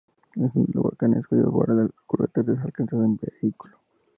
Es uno de los volcanes cuyo borde del cráter es alcanzable en vehículo.